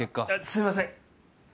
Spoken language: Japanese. すいません！